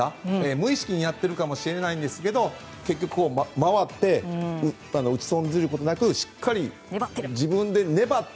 無意識にやっているかもしれないですが結局、回って打ち損じることなくしっかり自分で粘って。